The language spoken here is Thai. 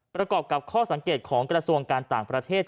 ประกอบกับข้อสังเกตของกระทรวงการต่างประเทศ